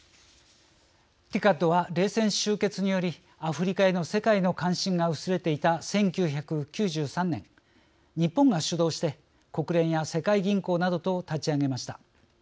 ＴＩＣＡＤは冷戦終結によりアフリカへの世界の関心が薄れていた１９９３年日本が主導して国連や世界銀行などと立ち上げました。